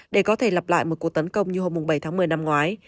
để có thể lặp lại một cuộc tấn công như hôm bảy tháng một mươi năm ngoái